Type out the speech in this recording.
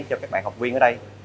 cho các bạn học viên ở đây